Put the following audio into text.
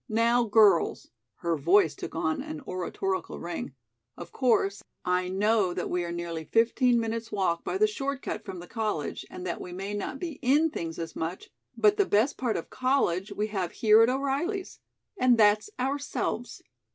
Now, girls," her voice took on an oratorical ring "of course, I know that we are nearly fifteen minutes' walk by the short cut from the college and that we may not be in things as much; but the best part of college we have here at O'Reilly's. And that's ourselves.